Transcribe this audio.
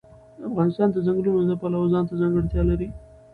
افغانستان د ځنګلونه د پلوه ځانته ځانګړتیا لري.